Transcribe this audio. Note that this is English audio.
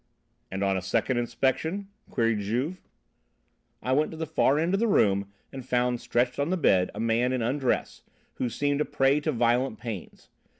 "And on a second inspection?" queried Juve. "I went to the far end of the room and found stretched on the bed a man in undress, who seemed a prey to violent pains.